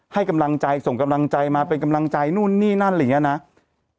ให้กำลังใจส่งกำลังใจมาเป็นกำลังใจนู่นนี่นั่นอะไรอย่างนี้นะ